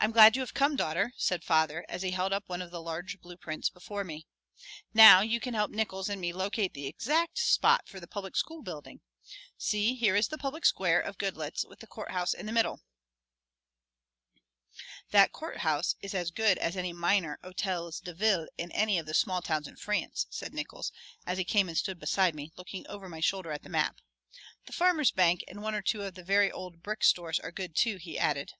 "I'm glad you have come, daughter," said father, as he held up one of the large blue prints before me. "Now you can help Nickols and me locate the exact spot for the public school building. See, here is the public square of Goodloets, with the courthouse in the middle." "That courthouse is as good as any minor hotels de ville in any of the small towns in France," said Nickols, as he came and stood beside me, looking over my shoulder at the map. "The Farmers' Bank and one or two of the very old brick stores are good, too," he added.